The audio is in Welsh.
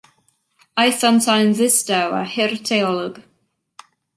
Aeth yntau yn ddistaw a hurt ei olwg.